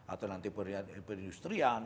atau nanti perindustrian